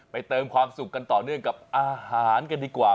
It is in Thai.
เติมความสุขกันต่อเนื่องกับอาหารกันดีกว่า